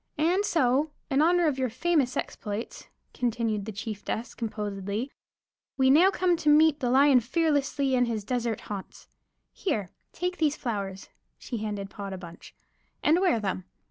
And so, in honor of your famous exploits," continued the chieftess, composedly, "we now come to meet the lion fearlessly in his desert haunts. Here, take these flowers" (she handed Pod a bunch) "and wear them.